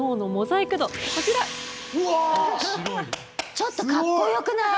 ちょっとかっこよくない？